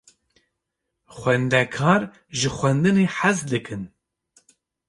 Xwendekar ji xwendinê hez dikin.